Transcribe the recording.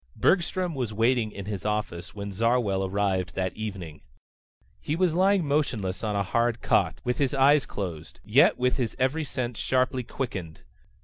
Bergstrom was waiting in his office when Zarwell arrived that evening. He was lying motionless on a hard cot, with his eyes closed, yet with his every sense sharply quickened.